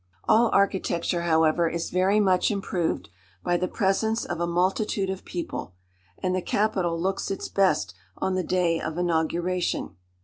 All architecture, however, is very much improved by the presence of a multitude of people, and the Capitol looks its best on the day of inauguration.